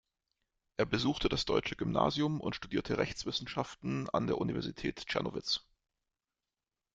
Er besuchte das deutsche Gymnasium und studierte Rechtswissenschaften an der Universität Czernowitz.